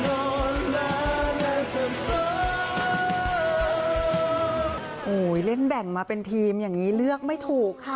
โอ้โหเล่นแบ่งมาเป็นทีมอย่างนี้เลือกไม่ถูกค่ะ